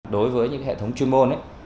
đối với những hệ thống chuyên môn